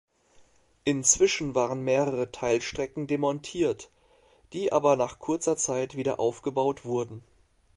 Inzwischen waren mehrere Teilstrecken demontiert, die aber nach kurzer Zeit wieder aufgebaut wurden.